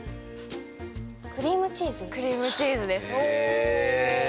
クリームチーズです。